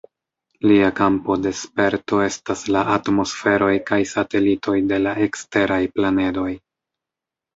Lia kampo de sperto estas la atmosferoj kaj satelitoj de la eksteraj planedoj.